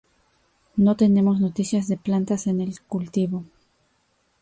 No tenemos noticias de plantas en el cultivo.